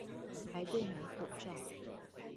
排隊買口罩